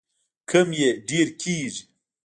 کم یې ډیر کیږي.